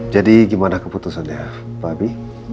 jadi gimana keputusan ya pak abi